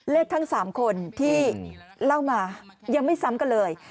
ทั้ง๓คนที่เล่ามายังไม่ซ้ำกันเลย